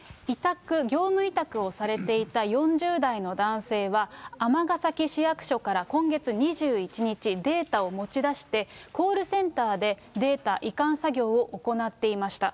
業務委託をされていた４０代の男性は尼崎市役所から今月２１日、データを持ち出して、コールセンターでデータ移管作業を行っていました。